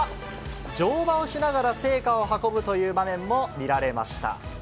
乗馬をしながら聖火を運ぶという場面も見られました。